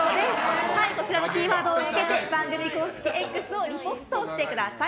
こちらのキーワードをつけて番組公式Ｘをリポストしてください。